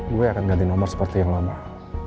gue akan ganti nomor seperti yang lo mau